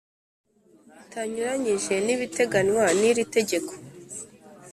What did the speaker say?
bitanyuranyije n’ibiteganywa n’iri tegeko